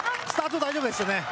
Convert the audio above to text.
スタート、大丈夫ですね。